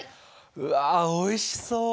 うわおいしそう！